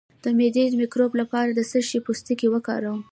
د معدې د مکروب لپاره د څه شي پوستکی وکاروم؟